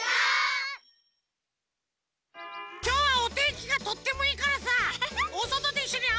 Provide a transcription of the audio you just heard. きょうはおてんきがとってもいいからさおそとでいっしょにあそぼう！